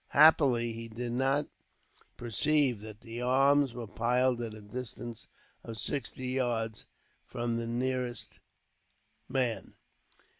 Happily, he did not perceive that their arms were piled at a distance of sixty yards from the nearest man.